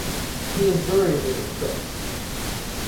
He is buried in the crypt.